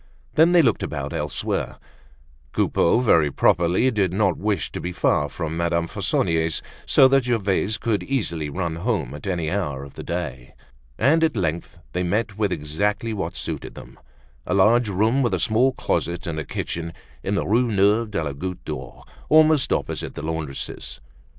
Then, they looked about elsewhere. Coupeau, very properly did not wish to be far from Madame Fauconnier's so that Gervaise could easily run home at any hour of the day. And at length they met with exactly what suited them, a large room with a small closet and a kitchen, in the Rue Neuve de la Goutte d'Or, almost opposite the laundress's.